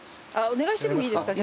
お願いしてもいいですか？